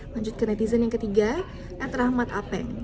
lanjut ke netizen yang ketiga at rahmat apek